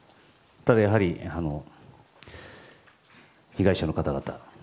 ただやはり被害者の方々